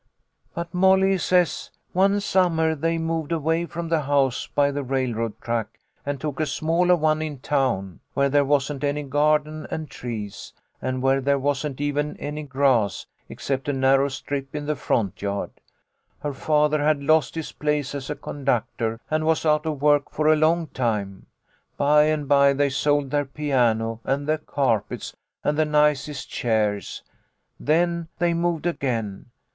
"But Molly says one summer they moved away MOLLY'S STORY. 8 1 from the house by the railroad track and took a smaller one in town, where there wasn't any garden and trees, and where there wasn't even any grass, ex cept a narrow strip in the front yard. Her father had lost his place as a conductor, and was out of work for a long time. By and by they sold their piano and the carpets and the nicest chairs. Then they moved again.